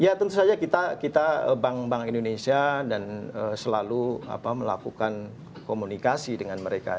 ya tentu saja kita bank bank indonesia dan selalu melakukan komunikasi dengan mereka